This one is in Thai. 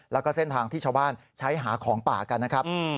แล้วก็เส้นทางที่ชาวบ้านใช้หาของป่ากันนะครับ